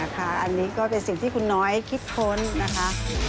อันนี้ก็เป็นสิ่งที่คุณน้อยคิดค้นนะคะ